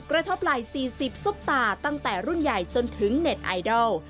กระทบไหล่๔๐ซุปตาตั้งแต่รุ่นใหญ่จนถึงเน็ตไอดอล